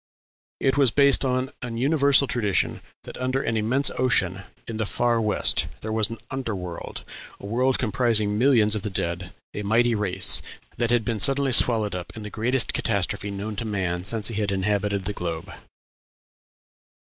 It was based on an universal tradition that under "an immense ocean," in "the far west," there was an "under world," a world comprising millions of the dead, a mighty race, that had been suddenly swallowed up in the greatest catastrophe known to man since he had inhabited the globe.